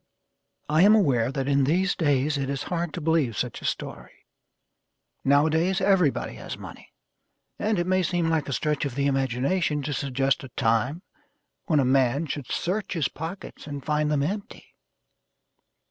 I am aware that in these days it is hard to believe such a story. Nowadays, everybody has money, and it may seem like a stretch of the imagination to suggest a time when a man should search his pockets and find them empty.